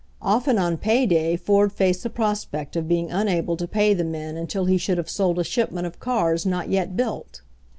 Often on pay day Ford faced the prospect of being unable to pay the men until he should have sold a shipment of cars not yet built.